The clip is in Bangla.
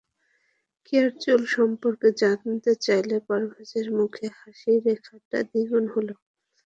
কেয়ার চুল সম্পর্কে জানতে চাইলে পারভেজের মুখে হাসির রেখাটা দ্বিগুণ হলো।